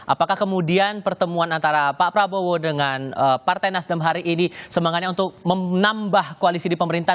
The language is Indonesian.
apakah kemudian pertemuan antara pak prabowo dengan partai nasdem hari ini semangatnya untuk menambah koalisi di pemerintahan